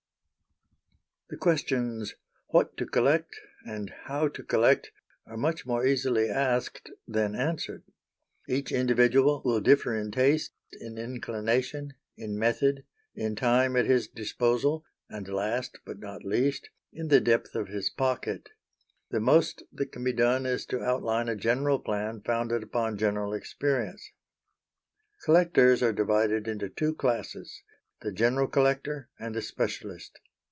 The questions, "What to collect?" and "How to collect?" are much more easily asked than answered. Each individual will differ in taste, in inclination, in method, in time at his disposal, and last, but not least, in the depth of his pocket. The most that can be done is to outline a general plan, founded upon general experience. Collectors are divided into two classes the general collector and the specialist.